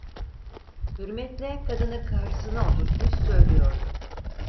Hürmetle kadını karşısına oturtmuş söylüyordu.